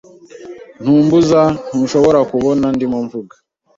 Ntumbuza! Ntushobora kubona ndimo mvuga?